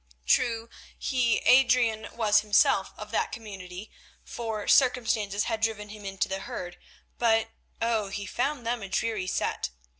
True, he, Adrian, was himself of that community, for circumstances had driven him into the herd, but oh! he found them a dreary set.